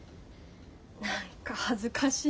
何か恥ずかしい。